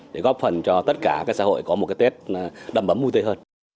để góp phần cho tất cả các xã hội có một tết đậm ấm vui tươi hơn